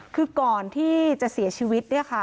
คือก่อนที่จะเสียชีวิต